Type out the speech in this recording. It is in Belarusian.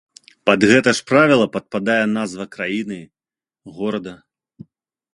Пад гэта ж правіла падпадае назва краіны, горада.